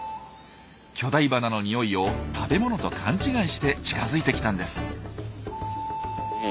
巨大花の匂いを食べ物と勘違いして近づいてきたんです。